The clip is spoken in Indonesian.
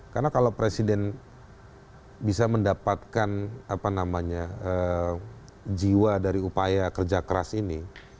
karena kalau presiden bisa mendapatkan jiwa dari upaya kerja keras ini